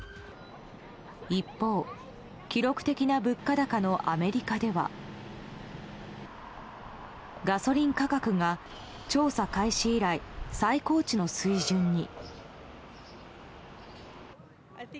一方、記録的な物価高のアメリカではガソリン価格が、調査開始以来最高値の水準に。